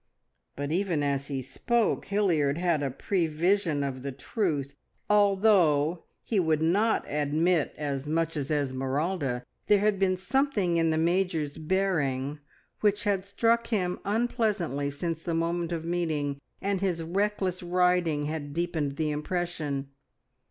But even as he spoke Hilliard had a prevision of the truth. Although he would not admit as much as Esmeralda, there had been something in the Major's bearing which had struck him unpleasantly since the moment of meeting, and his reckless riding had deepened the impression.